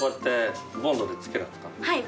はい。